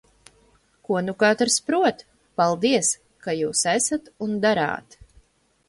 Ko nu katrs prot! Paldies, ka jūs esat un darāt!